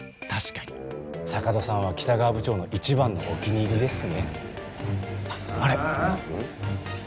確かに坂戸さんは北川部長の一番のお気に入りですしねあっあれうん？